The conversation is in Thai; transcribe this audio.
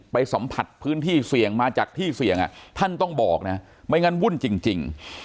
สัมผัสพื้นที่เสี่ยงมาจากที่เสี่ยงท่านต้องบอกนะไม่งั้นวุ่นจริง